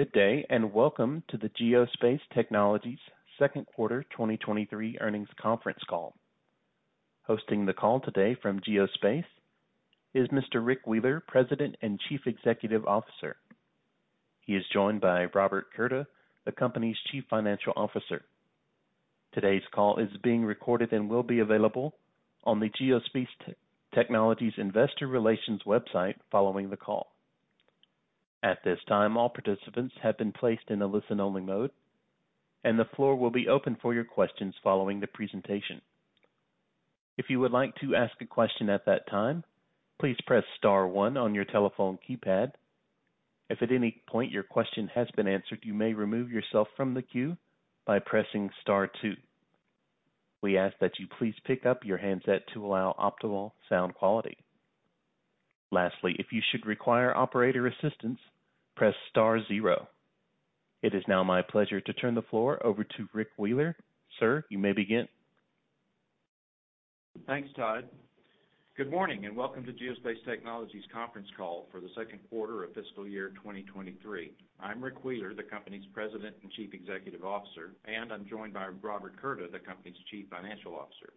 Good day, welcome to the Geospace Technologies second quarter 2023 earnings conference call. Hosting the call today from Geospace is Mr. Rick Wheeler, President and Chief Executive Officer. He is joined by Robert Curda, the company's Chief Financial Officer. Today's call is being recorded and will be available on the Geospace Technologies investor relations website following the call. At this time, all participants have been placed in a listen-only mode, and the floor will be open for your questions following the presentation. If you would like to ask a question at that time, please press star one on your telephone keypad. If at any point your question has been answered, you may remove yourself from the queue by pressing star two. We ask that you please pick up your handset to allow optimal sound quality. Lastly, if you should require operator assistance, press star zero. It is now my pleasure to turn the floor over to Rick Wheeler. Sir, you may begin. Thanks, Todd. Good morning, welcome to Geospace Technologies conference call for the second quarter of fiscal year 2023. I'm Rick Wheeler, the company's President and Chief Executive Officer, and I'm joined by Robert Curda, the company's Chief Financial Officer.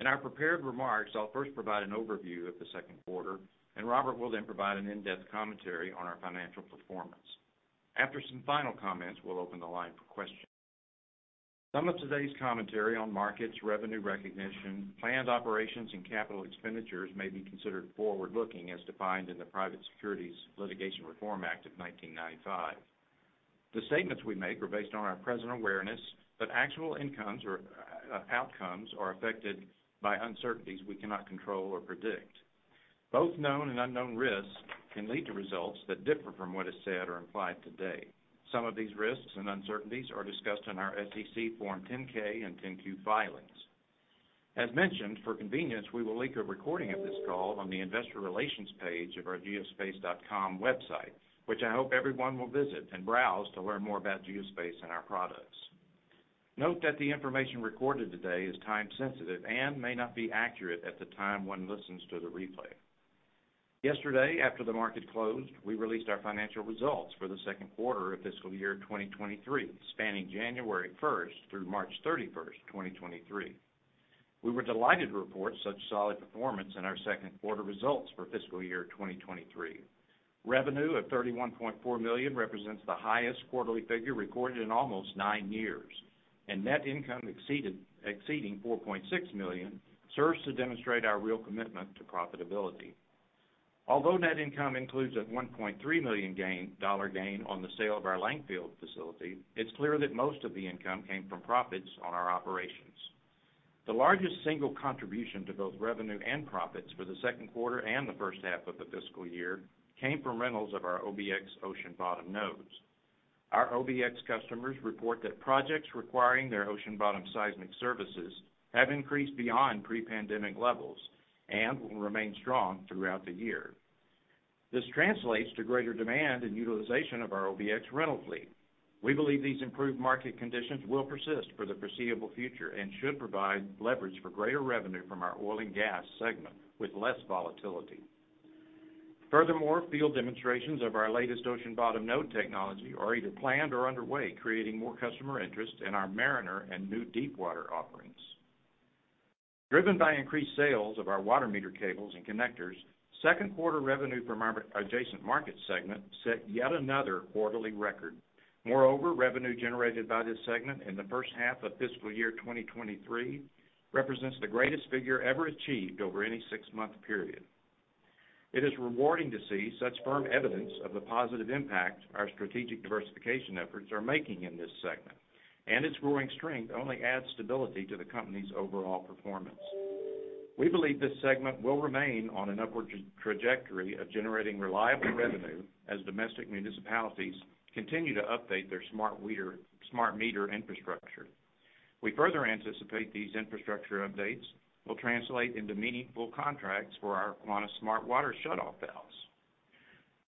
In our prepared remarks, I'll first provide an overview of the second quarter, Robert will then provide an in-depth commentary on our financial performance. After some final comments, we'll open the line for questions. Some of today's commentary on markets, revenue recognition, planned operations, and capital expenditures may be considered forward-looking as defined in the Private Securities Litigation Reform Act of 1995. The statements we make are based on our present awareness that actual incomes or outcomes are affected by uncertainties we cannot control or predict. Both known and unknown risks can lead to results that differ from what is said or implied today. Some of these risks and uncertainties are discussed in our SEC Form 10-K and Form 10-Q filings. As mentioned, for convenience, we will link a recording of this call on the investor relations page of our geospace.com website, which I hope everyone will visit and browse to learn more about Geospace and our products. Note that the information recorded today is time sensitive and may not be accurate at the time one listens to the replay. Yesterday, after the market closed, we released our financial results for the second quarter of fiscal year 2023, spanning January 1st through March 31st, 2023. We were delighted to report such solid performance in our second quarter results for fiscal year 2023. Revenue of $31.4 million represents the highest quarterly figure recorded in almost nine years, net income exceeding $4.6 million serves to demonstrate our real commitment to profitability. Although net income includes a $1.3 million gain on the sale of our Langfield facility, it's clear that most of the income came from profits on our operations. The largest single contribution to both revenue and profits for the second quarter and the first half of the fiscal year came from rentals of our OBX ocean bottom nodes. Our OBX customers report that projects requiring their ocean bottom seismic services have increased beyond pre-pandemic levels and will remain strong throughout the year. This translates to greater demand and utilization of our OBX rental fleet. We believe these improved market conditions will persist for the foreseeable future and should provide leverage for greater revenue from our oil and gas segment with less volatility. Field demonstrations of our latest ocean bottom node technology are either planned or underway, creating more customer interest in our Mariner and new Deepwater offerings. Driven by increased sales of our water meter cables and connectors, 2nd quarter revenue from our adjacent market segment set yet another quarterly record. Revenue generated by this segment in the first half of fiscal year 2023 represents the greatest figure ever achieved over any six-month period. It is rewarding to see such firm evidence of the positive impact our strategic diversification efforts are making in this segment, and its growing strength only adds stability to the company's overall performance. We believe this segment will remain on an upward trajectory of generating reliable revenue as domestic municipalities continue to update their smart meter infrastructure. We further anticipate these infrastructure updates will translate into meaningful contracts for our Quantum Smart Water Shut Off valves.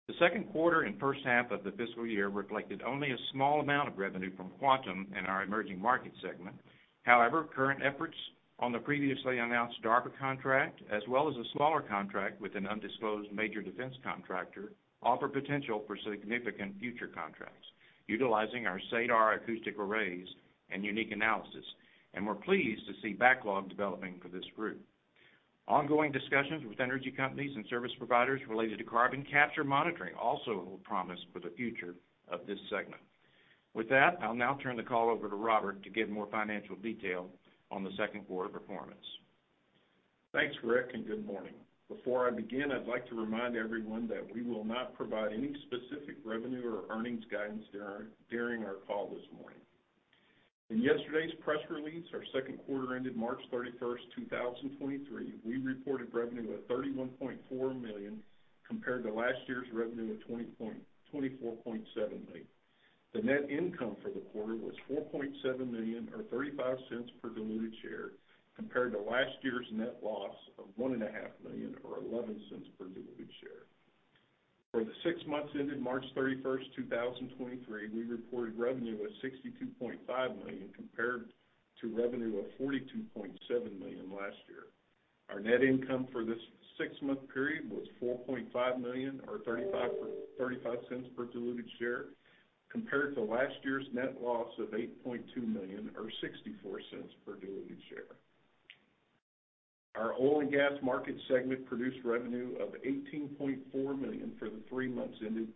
The second quarter and first half of the fiscal year reflected only a small amount of revenue from Quantum in our emerging market segment. However, current efforts on the previously announced DARPA contract, as well as a smaller contract with an undisclosed major defense contractor, offer potential for significant future contracts utilizing our SEADAR acoustic arrays and unique analysis. We're pleased to see backlog developing for this group. Ongoing discussions with energy companies and service providers related to carbon capture monitoring also hold promise for the future of this segment. With that, I'll now turn the call over to Robert to give more financial detail on the second quarter performance. Thanks, Rick. Good morning. Before I begin, I'd like to remind everyone that we will not provide any specific revenue or earnings guidance during our call this morning. In yesterday's press release, our second quarter ended March 31, 2023, we reported revenue of $31.4 million compared to last year's revenue of $24.7 million. The net income for the quarter was $4.7 million or $0.35 per diluted share, compared to last year's net loss of $1.5 million or $0.11 per diluted share. For the six months ended March 31st, 2023, we reported revenue of $62.5 million compared to revenue of $42.7 million last year. Our net income for this six month period was $4.5 million or $0.35 per diluted share compared to last year's net loss of $8.2 million or $0.64 per diluted share. Our oil and gas market segment produced revenue of $18.4 million for the three months ended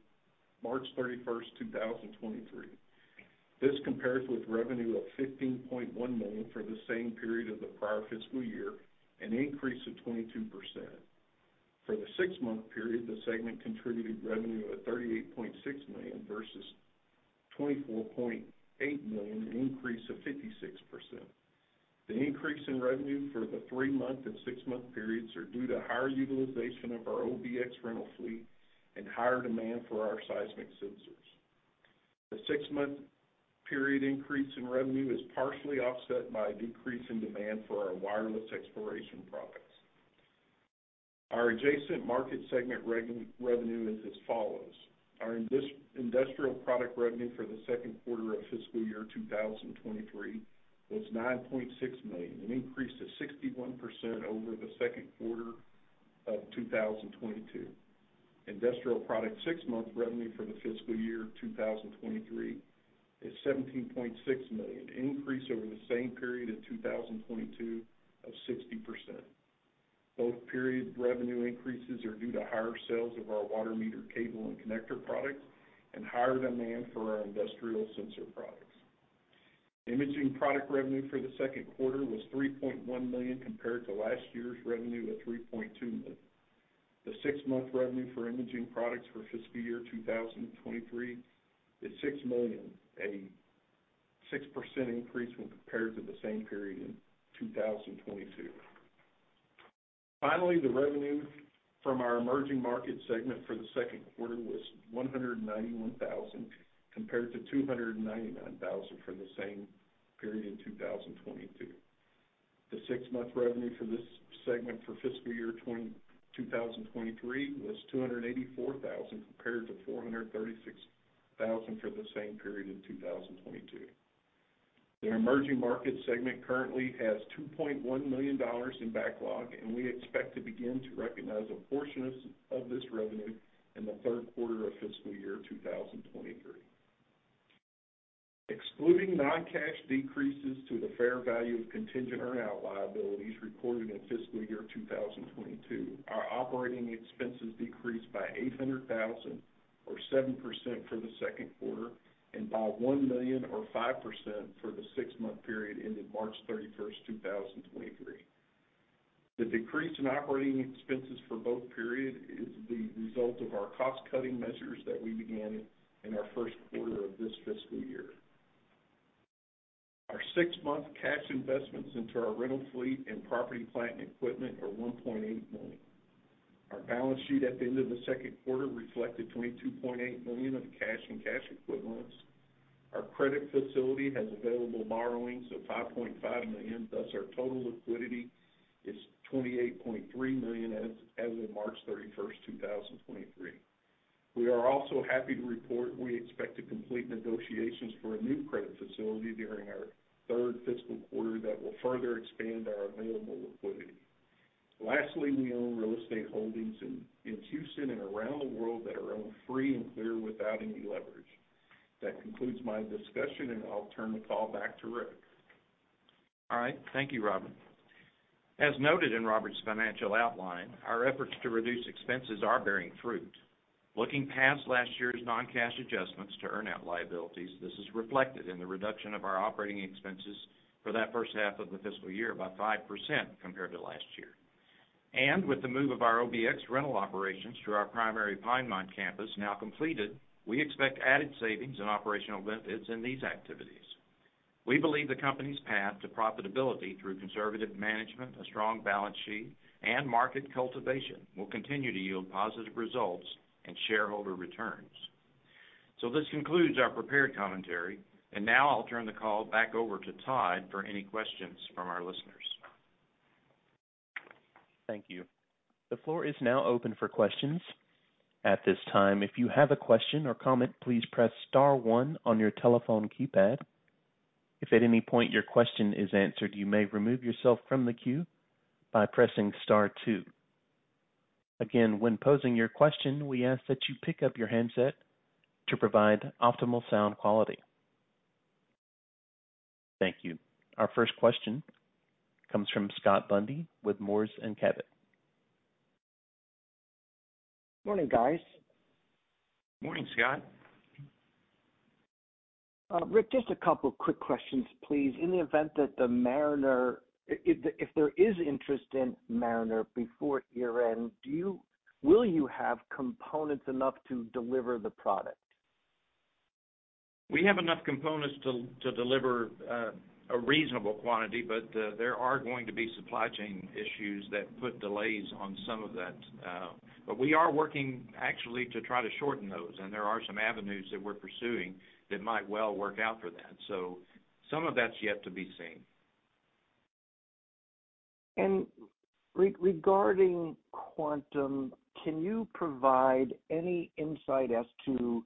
March 31st, 2023. This compares with revenue of $15.1 million for the same period of the prior fiscal year, an increase of 22%. For the six month period, the segment contributed revenue of $38.6 million versus $24.8 million, an increase of 56%. The increase in revenue for the three-month and six-month periods are due to higher utilization of our OBX rental fleet and higher demand for our seismic sensors. The six-month period increase in revenue is partially offset by a decrease in demand for our wireless exploration products. Our adjacent market segment revenue is as follows: Our industrial product revenue for the second quarter of fiscal year 2023 was $9.6 million, an increase of 61% over the second quarter of 2022. Industrial product six-month revenue for the fiscal year 2023 is $17.6 million, an increase over the same period of 2022 of 60%. Both period revenue increases are due to higher sales of our water meter cable and connector products and higher demand for our industrial sensor products. Imaging product revenue for the second quarter was $3.1 million compared to last year's revenue of $3.2 million. The six-month revenue for imaging products for fiscal year 2023 is $6 million, a 6% increase when compared to the same period in 2022. Finally, the revenue from our emerging market segment for the second quarter was $191,000 compared to $299,000 for the same period in 2022. The six-month revenue for this segment for fiscal year 2023 was $284,000 compared to $436,000 for the same period in 2022. The emerging market segment currently has $2.1 million in backlog. We expect to begin to recognize a portion of this revenue in the third quarter of fiscal year 2023. Excluding non-cash decreases to the fair value of contingent earn-out liabilities recorded in fiscal year 2022, our operating expenses decreased by $800,000 or 7% for the second quarter and by $1 million or 5% for the six-month period ended March 31st, 2023. The decrease in operating expenses for both period is the result of our cost-cutting measures that we began in our first quarter of this fiscal year. Our six-month cash investments into our rental fleet and property, plant, and equipment are $1.8 million. Our balance sheet at the end of the second quarter reflected $22.8 million of cash and cash equivalents. Our credit facility has available borrowings of $5.5 million, thus our total liquidity is $28.3 million as of March 31, 2023. We are also happy to report we expect to complete negotiations for a new credit facility during our third fiscal quarter that will further expand our available liquidity. Lastly, we own real estate holdings in Houston and around the world that are owned free and clear without any leverage. That concludes my discussion, I'll turn the call back to Rick. All right. Thank you, Robert. As noted in Robert's financial outline, our efforts to reduce expenses are bearing fruit. Looking past last year's non-cash adjustments to earn-out liabilities, this is reflected in the reduction of our operating expenses for that first half of the fiscal year, about 5% compared to last year. With the move of our OBX rental operations to our primary Pinemont campus now completed, we expect added savings and operational benefits in these activities. We believe the company's path to profitability through conservative management, a strong balance sheet, and market cultivation will continue to yield positive results and shareholder returns. This concludes our prepared commentary. Now I'll turn the call back over to Todd for any questions from our listeners. Thank you. The floor is now open for questions. At this time, if you have a question or comment, please press star one on your telephone keypad. If at any point your question is answered, you may remove yourself from the queue by pressing star two. Again, when posing your question, we ask that you pick up your handset to provide optimal sound quality. Thank you. Our first question comes from Scott Bundy with Moors & Cabot. Morning, guys. Morning, Scott. Rick, just a couple quick questions, please. In the event that the Mariner, if there is interest in Mariner before year-end, will you have components enough to deliver the product? We have enough components to deliver a reasonable quantity, but there are going to be supply chain issues that put delays on some of that. We are working actually to try to shorten those, and there are some avenues that we're pursuing that might well work out for that. Some of that's yet to be seen. Regarding Quantum, can you provide any insight as to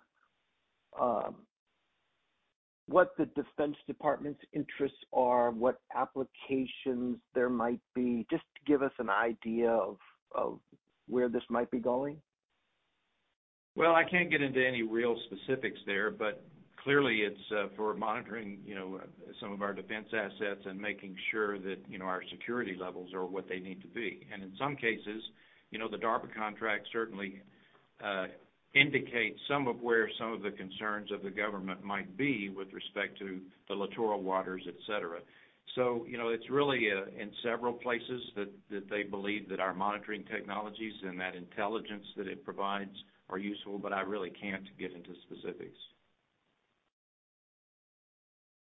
what the Defense Department's interests are, what applications there might be, just to give us an idea of where this might be going? I can't get into any real specifics there, but clearly, it's for monitoring, you know, some of our defense assets and making sure that, you know, our security levels are what they need to be. In some cases, you know, the DARPA contract certainly indicates some of where some of the concerns of the government might be with respect to the littoral waters, et cetera. You know, it's really in several places that they believe that our monitoring technologies and that intelligence that it provides are useful, but I really can't get into specifics.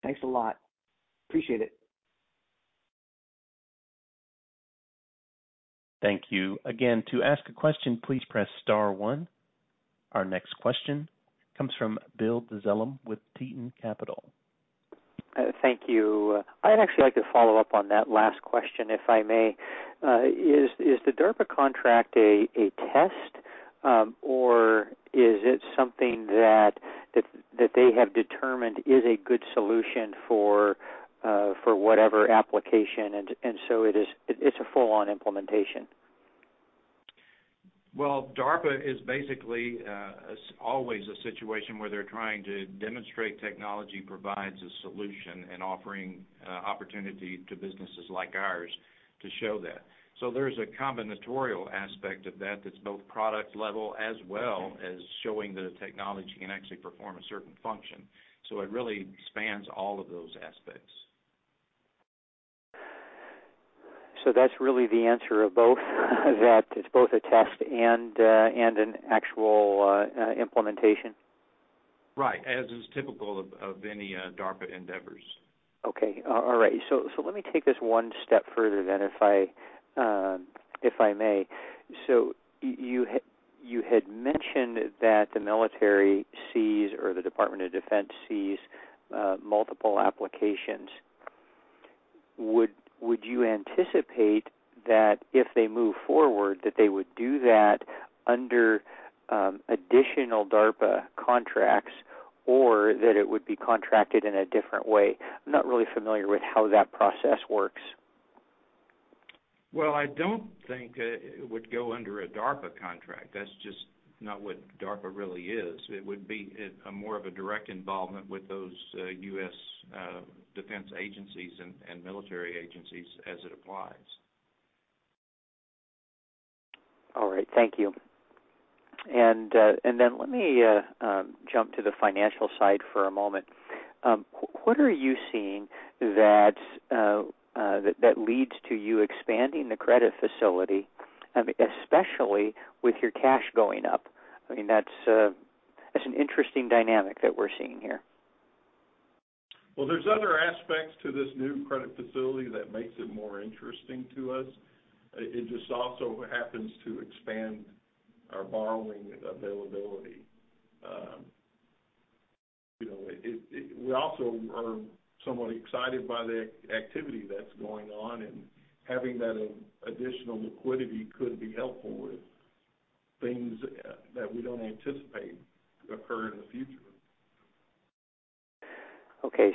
Thanks a lot. Appreciate it. Thank you. Again, to ask a question, please press star one. Our next question comes from Bill Dezellem with Tieton Capital. Thank you. I'd actually like to follow up on that last question, if I may. Is the DARPA contract a test, or is it something that they have determined is a good solution for whatever application, and so it's a full-on implementation? Well, DARPA is basically, always a situation where they're trying to demonstrate technology provides a solution and offering opportunity to businesses like ours to show that. There's a combinatorial aspect of that that's both product level as well as showing that a technology can actually perform a certain function. It really spans all of those aspects. That's really the answer of both, that it's both a test and an actual implementation. Right, as is typical of any DARPA endeavors. Okay. All right. Let me take this one step further then, if I, if I may. You had mentioned that the military sees or the Department of Defense sees multiple applications. Would you anticipate that if they move forward, that they would do that under additional DARPA contracts or that it would be contracted in a different way? I'm not really familiar with how that process works. Well, I don't think it would go under a DARPA contract. That's just not what DARPA really is. It would be a more of a direct involvement with those U.S. defense agencies and military agencies as it applies. All right. Thank you. Then let me jump to the financial side for a moment. What are you seeing that leads to you expanding the credit facility, especially with your cash going up? I mean, that's an interesting dynamic that we're seeing here. Well, there's other aspects to this new credit facility that makes it more interesting to us. It just also happens to expand our borrowing availability. You know, it we also are somewhat excited by the activity that's going on and having that additional liquidity could be helpful with things that we don't anticipate occur in the future. Okay.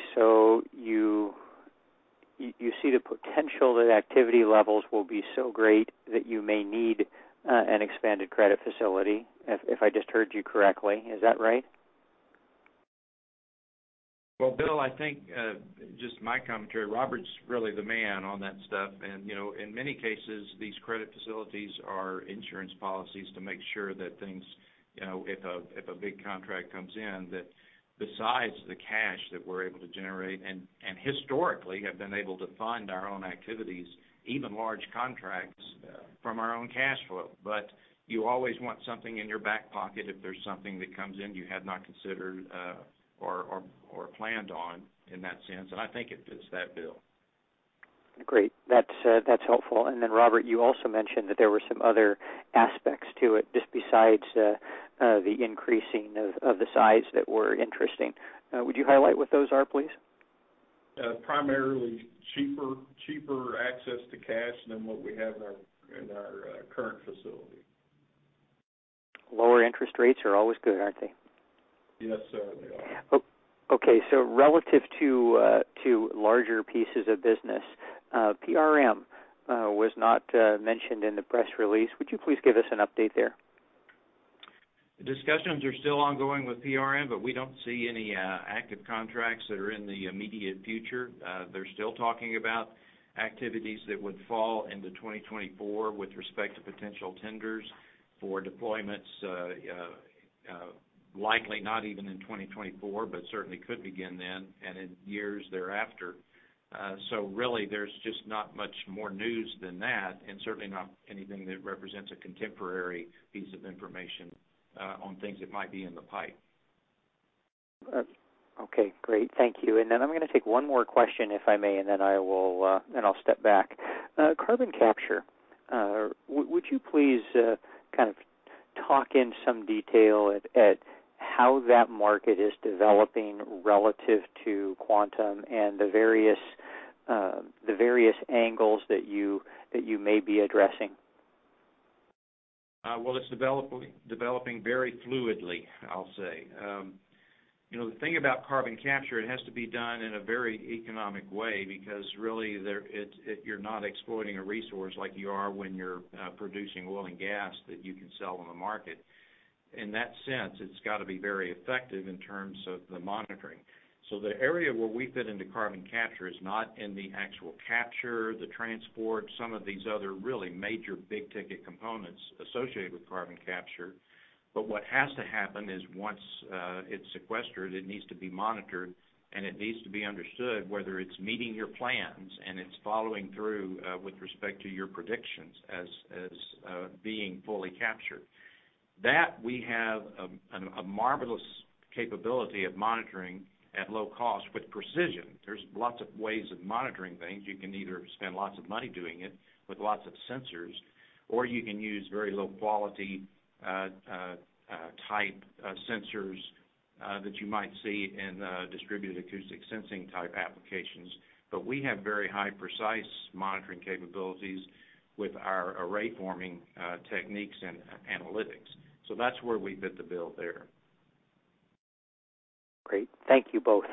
You see the potential that activity levels will be so great that you may need an expanded credit facility, if I just heard you correctly. Is that right? Well, Bill, I think, just my commentary, Robert's really the man on that stuff. You know, in many cases, these credit facilities are insurance policies to make sure that things, you know, if a big contract comes in, that besides the cash that we're able to generate, and historically have been able to fund our own activities, even large contracts from our own cash flow. You always want something in your back pocket if there's something that comes in you had not considered, or planned on in that sense, and I think it fits that bill. Great. That's helpful. Robert, you also mentioned that there were some other aspects to it just besides the increasing of the size that were interesting. Would you highlight what those are, please? primarily cheaper access to cash than what we have in our current facility. Lower interest rates are always good, aren't they? Yes, sir. They are. Okay. Relative to larger pieces of business, PRM was not mentioned in the press release. Would you please give us an update there? The discussions are still ongoing with PRM, we don't see any active contracts that are in the immediate future. They're still talking about activities that would fall into 2024 with respect to potential tenders for deployments, likely not even in 2024, certainly could begin then and in years thereafter. Really there's just not much more news than that, and certainly not anything that represents a contemporary piece of information on things that might be in the pipe. Okay. Great. Thank you. I'm gonna take one more question, if I may, and then I will, and then I'll step back. Carbon capture. Would you please kind of talk in some detail at how that market is developing relative to Quantum and the various angles that you may be addressing? Well, it's developing very fluidly, I'll say. You know, the thing about carbon capture, it has to be done in a very economic way because really there you're not exploiting a resource like you are when you're producing oil and gas that you can sell on the market. In that sense, it's gotta be very effective in terms of the monitoring. The area where we fit into carbon capture is not in the actual capture, the transport, some of these other really major big-ticket components associated with carbon capture. What has to happen is once it's sequestered, it needs to be monitored, and it needs to be understood whether it's meeting your plans and it's following through with respect to your predictions as being fully captured. That we have a marvelous capability of monitoring at low cost with precision. There's lots of ways of monitoring things. You can either spend lots of money doing it with lots of sensors, or you can use very low quality type sensors that you might see in distributed acoustic sensing type applications. We have very high precise monitoring capabilities with our array forming techniques and analytics. That's where we fit the bill there. Great. Thank you both.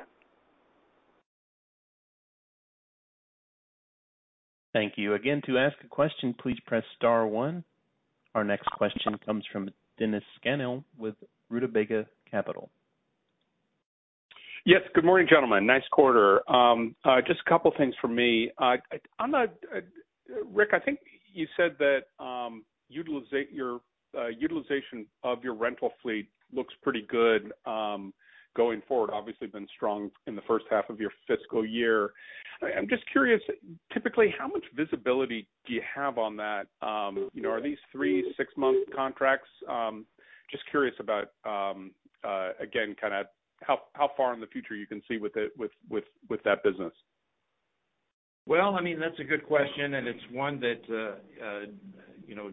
Thank you. Again, to ask a question, please press star one. Our next question comes from Dennis Scannell with Rutabaga Capital. Yes. Good morning, gentlemen. Nice quarter. Just a couple things for me. Rick, I think you said that your utilization of your rental fleet looks pretty good going forward. Obviously, been strong in the first half of your fiscal year. I'm just curious, typically, how much visibility do you have on that? You know, are these three, six-month contracts? Just curious about again, kinda how far in the future you can see with that business. Well, I mean, that's a good question, it's one that, you know,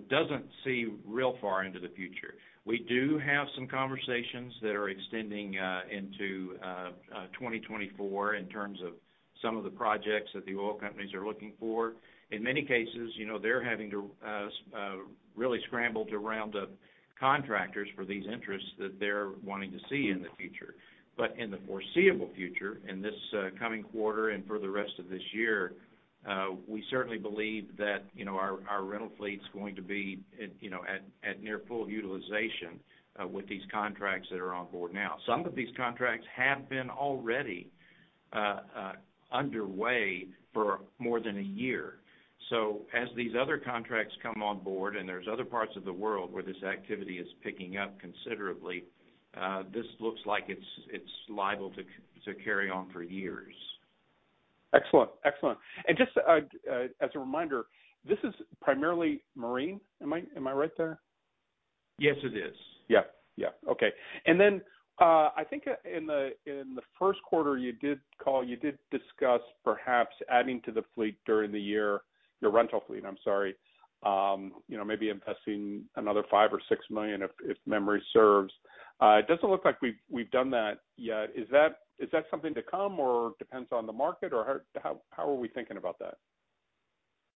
doesn't see real far into the future. We do have some conversations that are extending into 2024 in terms of some of the projects that the oil companies are looking for. In many cases, you know, they're having to really scramble to round up contractors for these interests that they're wanting to see in the future. In the foreseeable future, in this coming quarter and for the rest of this year, we certainly believe that, you know, our rental fleet is going to be at, you know, near full utilization with these contracts that are on board now. Some of these contracts have been already underway for more than a year. As these other contracts come on board, and there's other parts of the world where this activity is picking up considerably, this looks like it's liable to carry on for years. Excellent. Excellent. just, as a reminder, this is primarily marine. Am I right there? Yes, it is. Yeah. Yeah. Okay. Then, I think in the, in the first quarter, you did discuss perhaps adding to the fleet during the year, your rental fleet, I'm sorry. You know, maybe investing another $5 million-$6 million if memory serves. It doesn't look like we've done that yet. Is that something to come or depends on the market or how are we thinking about that?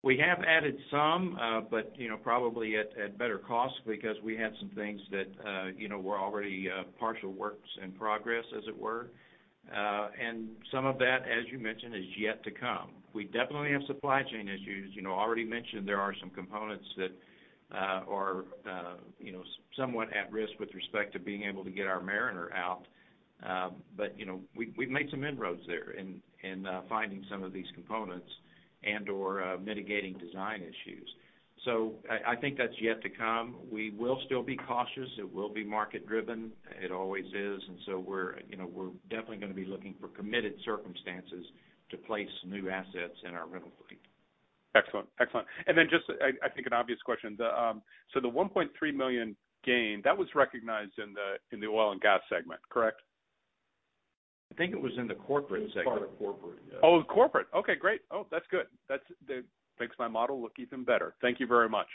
We have added some, but, you know, probably at better cost because we had some things that, you know, were already, partial works in progress, as it were. And some of that, as you mentioned, is yet to come. We definitely have supply chain issues. You know, already mentioned there are some components that are, you know, somewhat at risk with respect to being able to get our Mariner out. But, you know, we've made some inroads there in, finding some of these components and/or, mitigating design issues. I think that's yet to come. We will still be cautious. It will be market-driven. It always is. We're, you know, we're definitely gonna be looking for committed circumstances to place new assets in our rental fleet. Excellent. Excellent. Then just, I think an obvious question. The $1.3 million gain, that was recognized in the oil and gas segment, correct? I think it was in the corporate segment. It's part of corporate, yes. Oh, corporate. Okay, great. Oh, that's good. That's. It makes my model look even better. Thank you very much.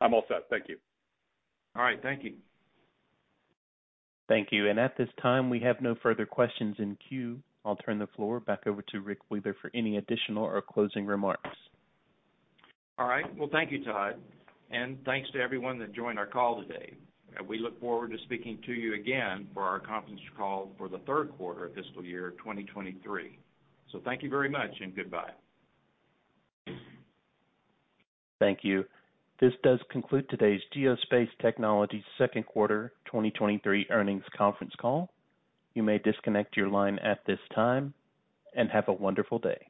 I'm all set. Thank you. All right. Thank you. Thank you. At this time, we have no further questions in queue. I'll turn the floor back over to Rick Wheeler for any additional or closing remarks. All right. Well, thank you, Todd, and thanks to everyone that joined our call today. We look forward to speaking to you again for our conference call for the third quarter of fiscal year 2023. Thank you very much and goodbye. Thank you. This does conclude today's Geospace Technologies second quarter 2023 earnings conference call. You may disconnect your line at this time, and have a wonderful day.